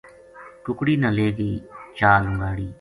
ککڑی نا لے گئی چا لنگاڑی